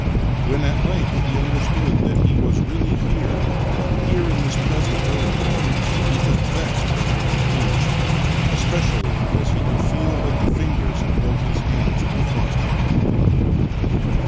When at length he understood that he was really here — here in this present world — he felt vexed rather than pleased, especially as he could feel that the fingers of both his hands were frostbitten.